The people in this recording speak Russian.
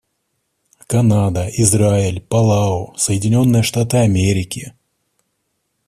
Канада, Израиль, Палау, Соединенные Штаты Америки.